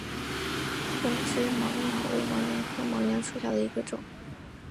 匍枝毛茛为毛茛科毛茛属下的一个种。